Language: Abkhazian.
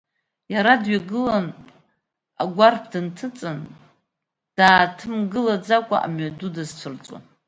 Иара дҩагылан, агәарԥ дынҭыҵын, дааҭымгылаӡакәа амҩаду дазцәырҵуан.